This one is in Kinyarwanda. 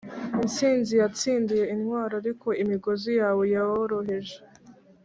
intsinzi yatsindiye intwaro; ariko imigozi yawe yoroheje